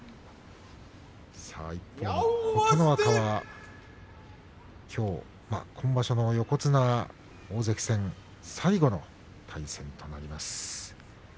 琴ノ若は、きょう今場所の横綱大関戦最後の対戦となります。